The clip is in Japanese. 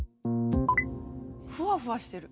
ふわふわしてる。